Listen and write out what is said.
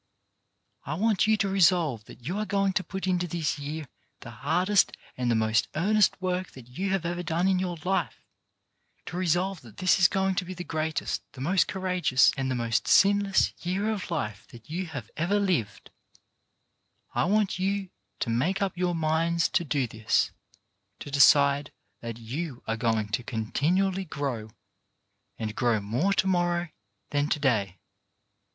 I want you to resolve that you are going to put into this year the hardest and the most earnest work that you have ever done in your life, to resolve that this is going to be the greatest, the most courageous and the most sinless year of life that you have ever lived; I want you to make up your minds to do this ; to decide that you are going to continually grow — and grow more to morrow than to day.